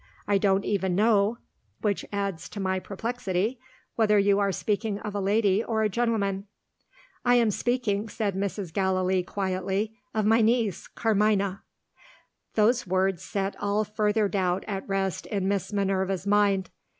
I don't even know (which adds to my perplexity) whether you are speaking of a lady or a gentleman." "I am speaking," said Mrs. Gallilee quietly, "of my niece, Carmina." Those words set all further doubt at rest in Miss Minerva's mind.